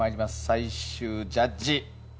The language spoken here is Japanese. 最終ジャッジ。